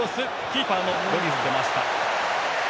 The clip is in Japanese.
キーパーのロリスが出ました。